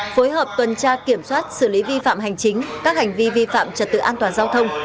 phối hợp tuần tra kiểm soát xử lý vi phạm hành chính các hành vi vi phạm trật tự an toàn giao thông